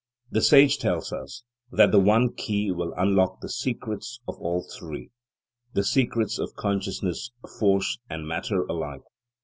The sage tells us that the one key will unlock the secrets of all three, the secrets of consciousness, force and matter alike.